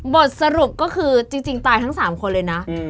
บทสรุปก็คือจริงตายทั้ง๓คนเลยนะ